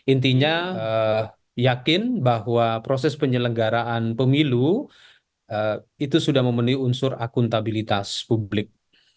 intinya yakin bahwa proses penyelenggaraan pemilu itu sudah memenuhi unsur akuntabilitas publik